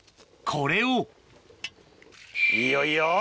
これをいいよいいよ！